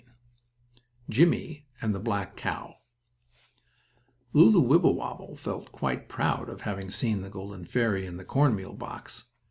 STORY XXVI JIMMIE AND THE BLACK COW Lulu Wibblewobble felt quite proud of having seen the golden fairy in the corn meal box.